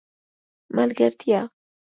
ملګرتیا